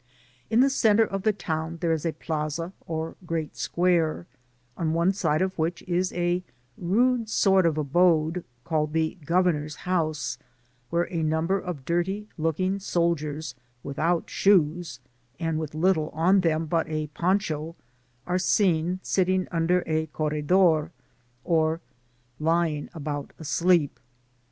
In the centre of the town there is a Plaza or great square, on one side of which is a rude sort of abode called the Go vernor's housed where a number of dirty looking soldiers without shoes, and with little on them but a poncho, are seen sitting under a corredor, or lying about asleep.